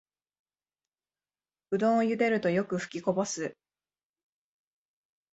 うどんをゆでるとよくふきこぼす